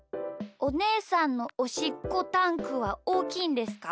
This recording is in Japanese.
おねえさんのおしっこタンクはおおきいんですか？